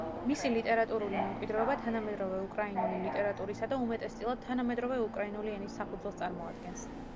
მისი ლიტერატურული მემკვიდრეობა თანამედროვე უკრაინული ლიტერატურისა და, უმეტესწილად, თანამედროვე უკრაინული ენის საფუძველს წარმოადგენს.